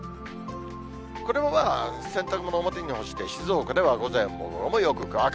これもまあ、洗濯物を表に干して、静岡では午前も午後もよく乾く。